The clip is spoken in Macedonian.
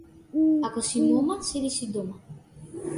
Ако си мома, седи си дома.